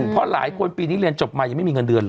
เพราะหลายคนปีนี้เรียนจบมายังไม่มีเงินเดือนเลย